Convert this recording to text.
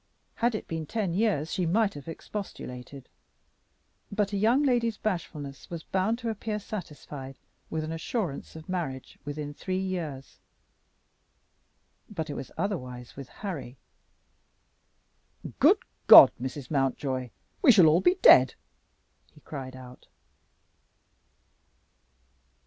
Had it been ten years she might have expostulated. But a young lady's bashfulness was bound to appear satisfied with an assurance of marriage within three years. But it was otherwise with Harry. "Good God, Mrs. Mountjoy, we shall all be dead!" he cried out.